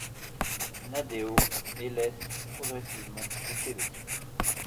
Nadeo et laissent progressivement fuiter le titre '.